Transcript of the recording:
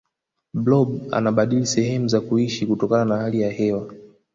blob anabadili sehemu za kuishi kutokana na hali ya hewa